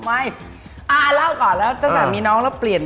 ไม่อ่าเล่าก่อนแล้วตั้งแต่มีน้องแล้วเปลี่ยน